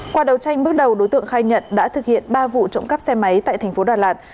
qua đầu tranh bước đầu đối tượng khai nhận đã thực hiện ba vụ trộm cắp xe máy tại thành phố đà lạt